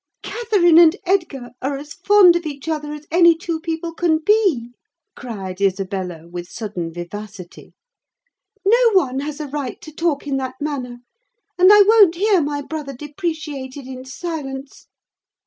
"Catherine and Edgar are as fond of each other as any two people can be," cried Isabella, with sudden vivacity. "No one has a right to talk in that manner, and I won't hear my brother depreciated in silence!"